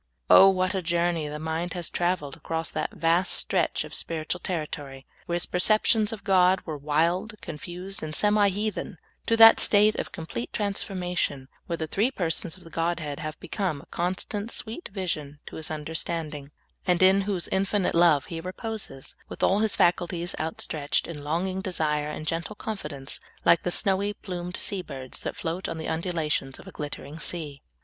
Oh, what a journey the nuud has traveled across that vast stretch of spiritual territory, where his perceptions of God were wild, con fused, and semi heathen, to that state of complete transformation, where the three persons of the Godhead have become a constant, sweet vision to his under THE TENDER LAMB. I43 standing, and in whose infinite love he reposes, with all his faculties outstretched in longing desire and gentle confidence, like the snowy plumed sea birds that float on the undulations of a glittering sea